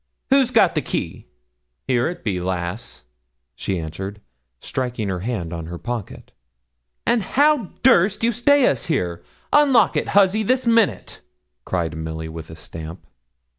'Who's got the key?' 'Here it be, lass,' she answered, striking her hand on her pocket. 'And how durst you stay us here? Unlock it, huzzy, this minute!' cried Milly, with a stamp.